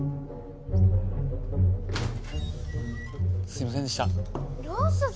すいませんでした。